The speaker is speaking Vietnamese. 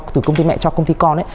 từ công ty mẹ cho công ty con